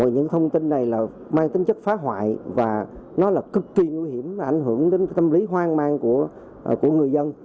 những thông tin này là mang tính chất phá hoại và nó là cực kỳ nguy hiểm ảnh hưởng đến tâm lý hoang mang của người dân